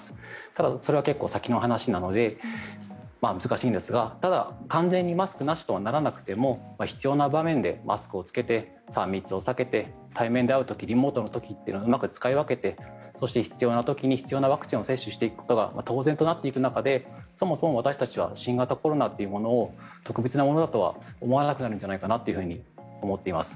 ただ、それは結構先の話なので難しいんですがただ、完全にマスクなしとはならなくても必要な場面でマスクを着けて３密を避けて対面で会う時とリモートの時とうまく使い分けてそして必要な時に必要なワクチンを接種していくのが当然となっていく中でそもそも私たちは新型コロナというものを特別なものとは思わなくなるんじゃないかなと思っています。